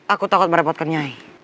aku takut merepotkan nyai